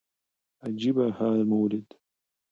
عجيبه حال مو وليد .